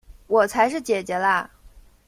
我才是姊姊啦！